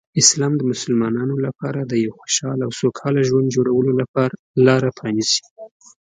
اسلام د مسلمانانو لپاره د یو خوشحال او سوکاله ژوند جوړولو لاره پرانیزي.